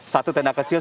satu tenda kecil